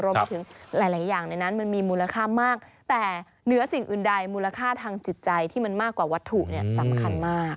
ไปถึงหลายอย่างในนั้นมันมีมูลค่ามากแต่เหนือสิ่งอื่นใดมูลค่าทางจิตใจที่มันมากกว่าวัตถุเนี่ยสำคัญมาก